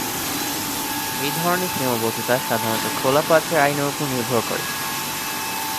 এই ধরনের সীমাবদ্ধতা সাধারণত খোলা পাত্রের আইনের উপর নির্ভর করে।